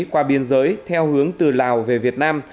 qua biên giới theo hướng từ lào về việt nam